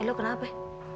eh lu kenapa